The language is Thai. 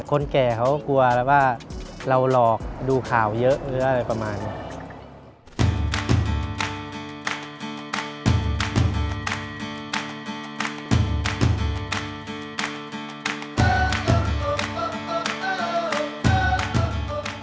คนแก่เขากลัวแล้วว่าเราหลอกดูข่าวเยอะหรืออะไรประมาณนี้